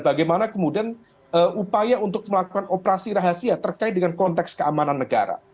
bagaimana kemudian upaya kontra intelijen dan bagaimana kemudian upaya untuk melakukan operasi rahasia terkait dengan konteks keamanan negara